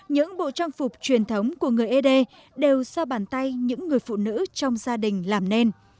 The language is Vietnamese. những bộ trang phục truyền thống của người ế đê đều do bàn tay những người phụ nữ trong gia đình làm nên